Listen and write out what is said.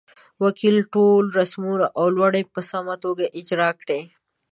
وکیل ټول رسمونه او لوړې په سمه توګه اجرا کړې.